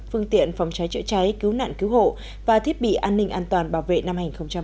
phương tiện phòng cháy chữa cháy cứu nạn cứu hộ và thiết bị an ninh an toàn bảo vệ năm hai nghìn hai mươi